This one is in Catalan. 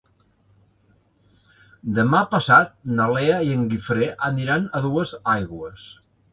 Demà passat na Lea i en Guifré aniran a Duesaigües.